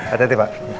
ada deh pak